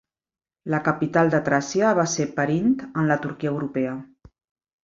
La capital de Tràcia va ser Perint, en la Turquia europea.